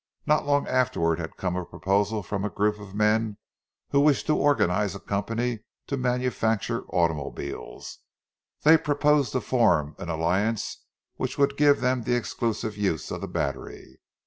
Not long afterward had come a proposal from a group of men who wished to organize a company to manufacture automobiles; they proposed to form an alliance which would give them the exclusive use of the battery.